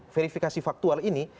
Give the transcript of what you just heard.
verifikasi faktual ini